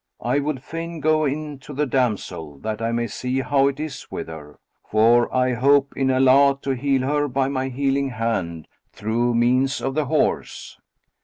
I would fain go in to the damsel, that I may see how it is with her; for I hope in Allah to heal her by my healing hand through means of the horse."